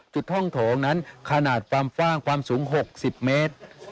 ห้องโถงนั้นขนาดความกว้างความสูง๖๐เมตร